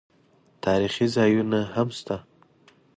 تاریخي ځایونه هم شته.